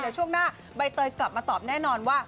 เดี๋ยวช่วงหน้าใบเตยกลับมาตอบแน่นอนว่า